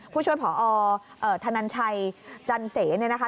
ผู้ช่วยผอธนันชัยจันเสเนี่ยนะคะ